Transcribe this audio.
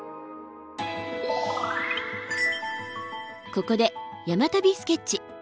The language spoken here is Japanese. ここで「山旅スケッチ」。